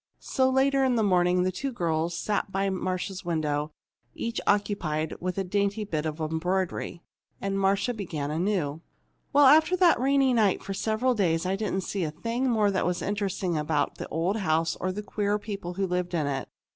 So, later in the morning, the two girls sat by Marcia's window, each occupied with a dainty bit of embroidery, and Marcia began anew: "Well, after that rainy night, for several days I didn't see a thing more that was interesting about the old house or the queer people who live in it.